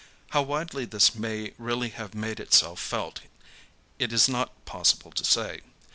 How widely this may really have made itself felt it is not possible to say.